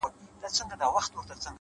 وخت د ژمنو رښتینولي ثابتوي.